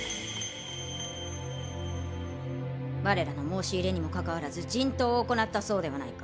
我らの申し入れにもかかわらず人痘を行ったそうではないか！